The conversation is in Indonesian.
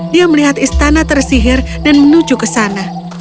dia melihat istana tersihir dan menuju ke sana